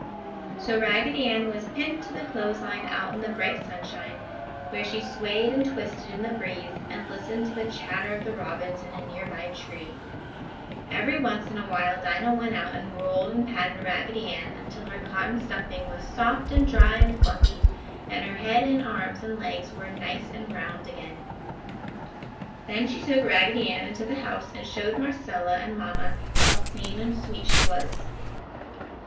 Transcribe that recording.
So Raggedy Ann was pinned to the clothes line, out in the bright sunshine, where she swayed and twisted in the breeze and listened to the chatter of the robins in a nearby tree. Every once in a while Dinah went out and rolled and patted Raggedy until her cotton stuffing was soft and dry and fluffy and her head and arms and legs were nice and round again. Then she took Raggedy Ann into the house and showed Marcella and Mamma how clean and sweet she was.